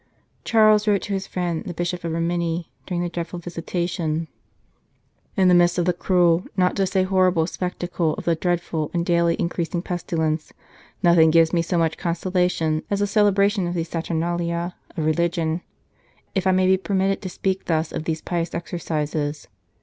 Charles wrote to his friend, the Bishop of Rimini, during the dreadful visitation :" In the midst of the cruel, not to say horrible, spectacle of the dreadful and daily increasing pestilence, nothing gives me so much consolation as the celebration of these saturnalia of religion if I may be permitted to speak thus of these pious exercises.